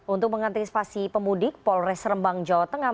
untuk mengantisipasi pemudik polres rembang jawa tengah